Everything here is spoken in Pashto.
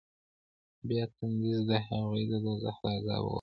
بيا تنذير ديه هغوى د دوزخ له عذابه ووېروه.